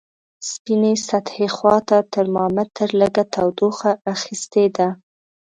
سپینې سطحې خواته ترمامتر لږه تودوخه اخستې ده.